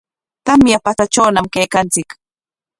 Tamya patsatrawñam kaykanchik.